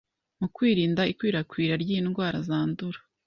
mu kwirinda ikwirakwira ry'indwara zandura.